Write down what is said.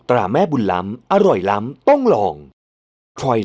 ดี